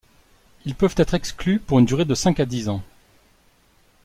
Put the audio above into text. Ils peuvent être exclus pour une durée de cinq à dix ans.